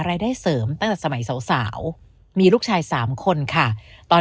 รายได้เสริมตั้งแต่สมัยสาวมีลูกชายสามคนค่ะตอน